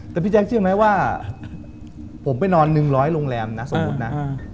แต่พี่แจ๊คเชื่อไหมว่าผมไปนอน๑๐๐โรงแรมนะสมมุตินะ